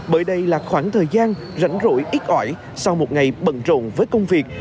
bởi đây là khoảng thời gian rảnh rỗi ít ỏi sau một ngày bận rộn với công việc